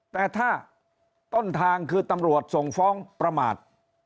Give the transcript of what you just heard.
แต่ถ้าต้นทางคือตำรวจส่งฟ้องประมาท